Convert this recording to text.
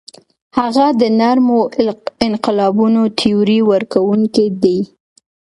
هغه د نرمو انقلابونو تیوري ورکوونکی دی.